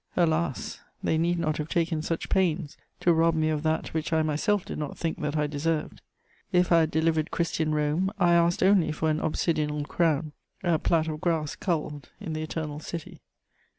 Alas, they need not have taken such pains to rob me of that which I myself did not think that I deserved! If I had delivered Christian Rome, I asked only for an obsidional crown, a plait of grass culled in the Eternal City.